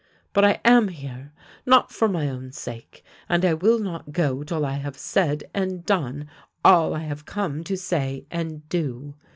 But I am here, not for my own sake, and I will not go till I have said and done all I have come to say and do.